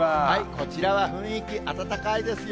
こちらは雰囲気、温かいですよ。